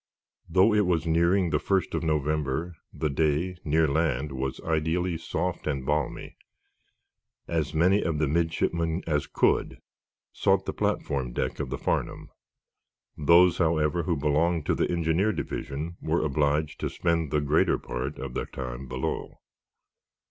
Though it was nearing the first of November, the day, near land, was ideally soft and balmy. As many of the midshipmen as could sought the platform deck of the "Farnum." Those, however, who belonged to the engineer division were obliged to spend the greater part of their time below.